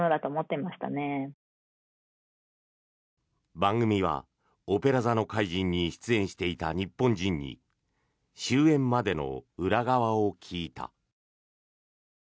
番組は「オペラ座の怪人」に出演していた日本人に終演までの裏側を聞いた。